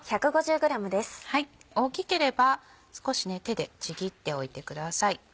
大きければ少し手でちぎっておいてください。